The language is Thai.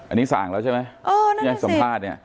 อันนี้สั่งแล้วใช่ไหมยังสัมภาษณ์นี้